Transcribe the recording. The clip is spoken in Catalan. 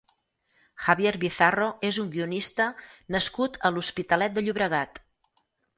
Javier Bizarro és un guionista nascut a l'Hospitalet de Llobregat.